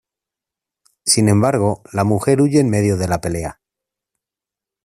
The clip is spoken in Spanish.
Sin embargo, la mujer huye en medio de la pelea.